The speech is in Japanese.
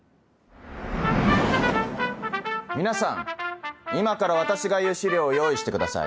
皆さん今から私が言う資料を用意してください。